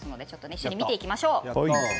一緒に見ていきましょう。